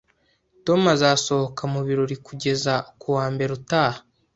Tom azasohoka mu biro kugeza kuwa mbere utaha